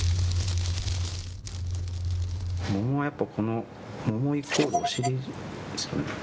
桃はやっぱこの桃イコールお尻ですかね。